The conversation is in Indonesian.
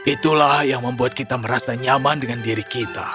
itulah yang membuat kita merasa nyaman dengan diri kita